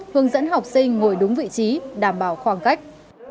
hướng dẫn học sinh ngồi đúng vị trí đảm bảo khoảng cách